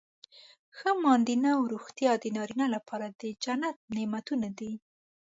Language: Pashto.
ښه ماندینه او روغتیا د نارینه لپاره د جنت نعمتونه دي.